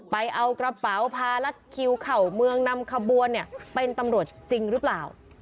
ไปเอากระเป๋าพารักษณ์คิวเขาเมืองน้ำเป็นตำรวจจริงรึเปล่า